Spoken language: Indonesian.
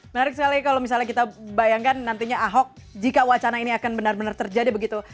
menarik sekali kalau misalnya kita bayangkan nantinya ahok jika wacana ini akan benar benar terjadi begitu